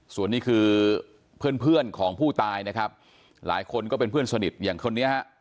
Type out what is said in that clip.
ส่วนนี้คือเพื่อนเพื่อนของผู้ตายนะครับหลายคนก็เป็นเพื่อนสนิทอย่างคนนี้ฮะ